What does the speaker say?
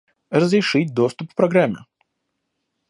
Разрешить доступ программе